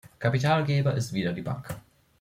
Kapitalgeber ist wieder die Bank.